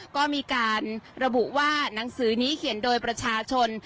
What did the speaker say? ก็มีการระบุว่าหนังสือนี้เขียนโดยประชาชน